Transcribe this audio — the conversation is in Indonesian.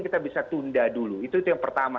kita bisa tunda dulu itu yang pertama